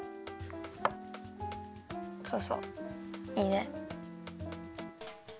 そうそういいね。